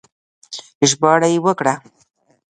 ژباړه يې وکړه